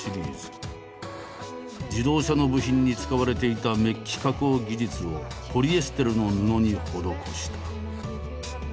自動車の部品に使われていたメッキ加工技術をポリエステルの布に施した。